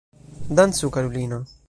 Dancu karulino!